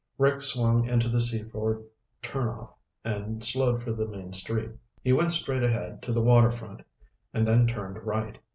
Rick swung into the Seaford turnoff and slowed for the main street. He went straight ahead to the water front and then turned right.